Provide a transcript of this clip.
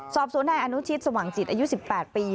สอบสวนนายอนุชิตสว่างจิตอายุ๑๘ปี